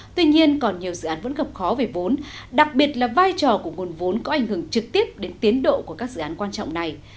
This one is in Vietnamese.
tuy nhiên còn nhiều dự án vẫn gặp khó về vốn đặc biệt là vai trò của nguồn vốn có ảnh hưởng trực tiếp đến tiến độ của các dự án quan trọng này